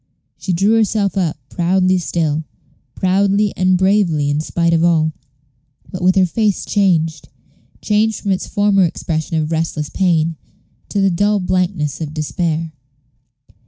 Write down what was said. She drew herself up, proudly still proudly and bravely in spite of all, but with her face changed changed from its former expression of restless pain to the dull blankness of despair.